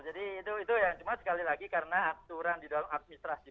jadi itu yang cuma sekali lagi karena aturan di dalam administrasi